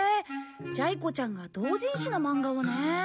ジャイ子ちゃんが同人誌のまんがをね。